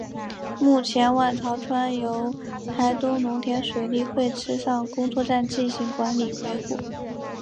目前万朝圳由台东农田水利会池上工作站进行管理与维护。